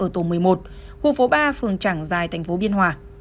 tổ một mươi một khu phố ba phường trảng giài tp biên hòa